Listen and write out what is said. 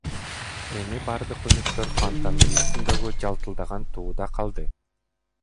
Эми бардык үмүттөр фонтандын үстүндөгү жалтылдаган тууда калды.